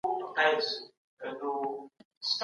پخواني کلتورونه د وګړپوهني له لاري پیژندل کیږي.